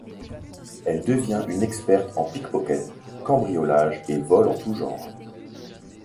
Elle devient une experte en pickpocket, cambriolages et vols en tout genre.